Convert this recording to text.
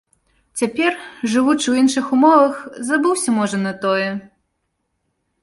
Цяпер, жывучы ў іншых умовах, забыўся, можа, на тое?